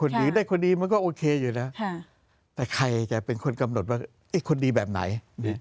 ก็ดีครับคนดีมันก็โอเคแต่ใครจะเป็นคนกำหนดว่าคนดีแบบไหน